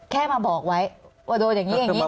แค่มาบอกไว้ว่าโดนอย่างนี้อย่างนี้